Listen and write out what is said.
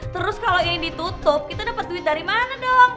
terus kalau ini ditutup kita dapat duit dari mana dong